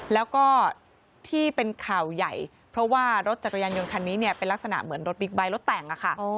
แล้วก็ที่เป็นข่าวใหญ่เพราะว่ารถจักรยานยนต์คันนี้เนี่ยเป็นลักษณะเหมือนรถบิ๊กไบท์รถแต่งค่ะ